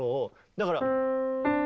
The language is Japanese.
だから。